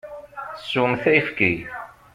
Swemt ayefki!